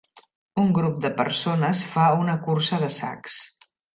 Un grup de persones fa una cursa de sacs.